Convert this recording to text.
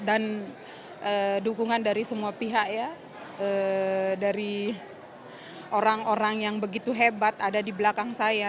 dan dukungan dari semua pihak ya dari orang orang yang begitu hebat ada di belakang saya